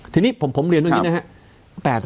ทีนี้ผมเรียนว่าแบบนี้นะครับ